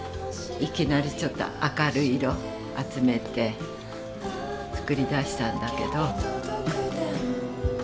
いきなりちょっと明るい色集めて作りだしたんだけど。